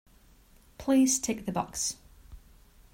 Please tick the box